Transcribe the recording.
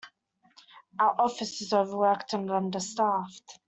Our office is overworked and understaffed.